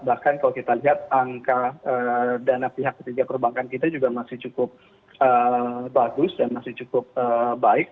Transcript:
bahkan kalau kita lihat angka dana pihak ketiga perbankan kita juga masih cukup bagus dan masih cukup baik